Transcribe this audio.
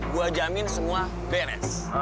gue jamin semua beres